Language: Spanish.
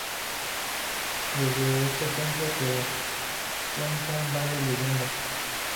De este templo se cuentan varias leyendas.